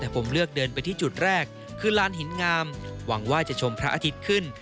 ไปที่จุดแรกคือลานหินงามหวังว่าจะชมพระอาทิตย์ขึ้น